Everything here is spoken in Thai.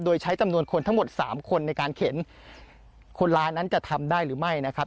โดยใช้จำนวนคนทั้งหมดสามคนในการเข็นคนร้ายนั้นจะทำได้หรือไม่นะครับ